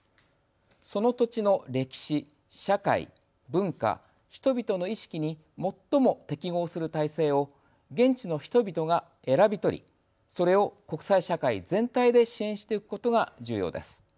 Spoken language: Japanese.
その土地の歴史、社会、文化人々の意識に最も適合する体制を現地の人々が選び取りそれを国際社会全体で支援してゆくことが重要です。